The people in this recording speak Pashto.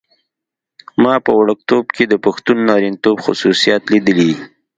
ما په وړکتوب کې د پښتون نارینتوب خصوصیات لیدلي.